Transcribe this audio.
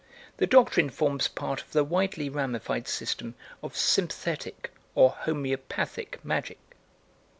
The doctrine forms part of the widely ramified system of sympathetic or homoeopathic magic.